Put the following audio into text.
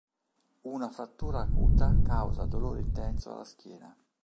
Una frattura acuta causa dolore intenso alla schiena.